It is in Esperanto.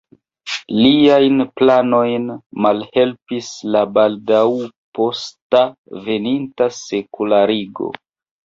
Liajn planojn malhelpis la baldaŭ posta veninta sekularigo.